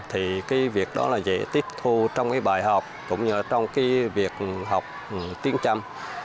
thì việc đó dễ tiếp thu trong bài học cũng như trong việc học tiếng trăm